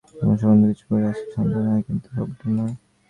ধর্ম সামান্য কিছু করিয়াছে সন্দেহ নাই, কিন্তু সবটা নয়।